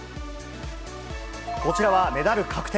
こちらはメダル確定。